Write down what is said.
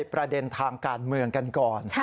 ประเด็นทางการเมืองกันก่อน